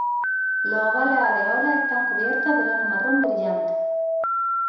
Los ovales areolas están cubiertas de lana marrón brillante.